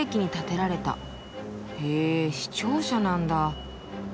へ市庁舎なんだ。